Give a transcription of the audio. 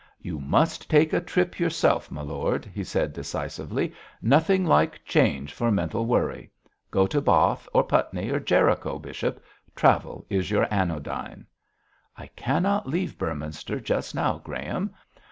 'You must take a trip yourself, my lord,' he said decisively; 'nothing like change for mental worry. Go to Bath, or Putney, or Jericho, bishop; travel is your anodyne.' 'I cannot leave Beorminster just now, Graham.